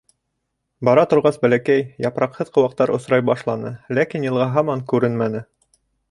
Бара торғас, бәләкәй, япраҡһыҙ ҡыуаҡтар осрай башланы, ләкин йылға һаман күренмәне.